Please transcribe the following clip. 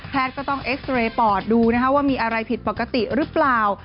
ก็ต้องเอ็กซ์เรย์ปอดดูนะคะว่ามีอะไรผิดปกติหรือเปล่า